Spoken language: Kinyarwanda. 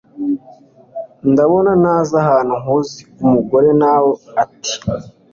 ndabona ntazi ahantu nkuzi umugore nawe ati